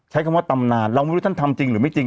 ใช้คำว่าตำนานเราไม่รู้ท่านทำจริงหรือไม่จริง